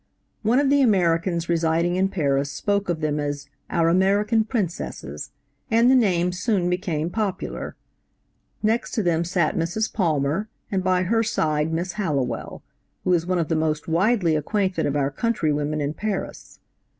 One of the Americans residing in Paris spoke of them as "our American Princesses," and the name soon became popular. Next to them sat Mrs. Palmer and by her side Miss Hallowell, who is one of the most widely acquainted of our countrywomen in Paris.